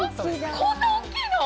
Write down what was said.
こんな大きいの？